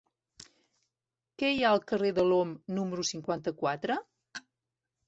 Què hi ha al carrer de l'Om número cinquanta-quatre?